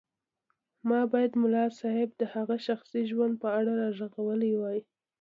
ما بايد ملا صيب د هغه شخصي ژوند په اړه راغږولی وای.